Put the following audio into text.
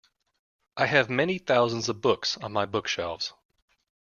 I have many thousands of books on my bookshelves.